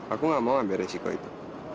aku gak mau ambil resiko itu